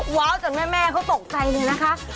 ว้าวจนแม่เขาตกใจเลยนะคะ